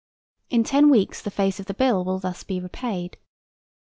In ten weeks the face of the bill will be thus repaid.